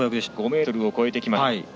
５ｍを超えてきました。